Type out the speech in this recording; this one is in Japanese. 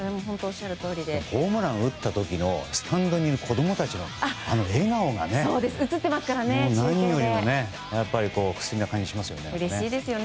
ホームラン打った時のスタンドにいる子供たちの笑顔が何よりも素敵な感じしますね。